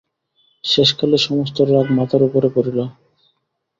শেষকালে সমস্ত রাগ মাতার উপরে পড়িল।